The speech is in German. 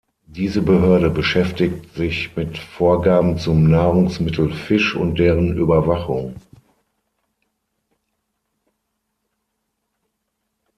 Diese Behörde beschäftigt sich mit Vorgaben zum Nahrungsmittel Fisch und deren Überwachung.